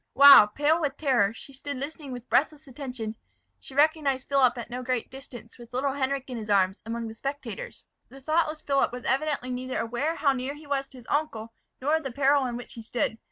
While, pale with terror, she stood listening with breathless attention, she recognised Philip at no great distance, with little Henric in his arms, among the spectators. The thoughtless Philip was evidently neither aware how near he was to his uncle, nor of the peril in which he stood.